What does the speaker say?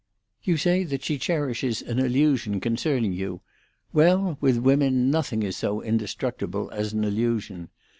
You say that she cherishes an illusion concerning you: well, with women, nothing is so indestructible as an illusion.